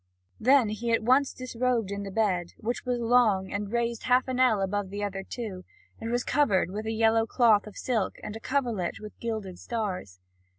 Then he at once disrobed in the bed, which was long and raised half an ell above the other two, and was covered with a yellow cloth of silk and a coverlet with gilded stars.